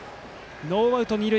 ノーアウト、二塁。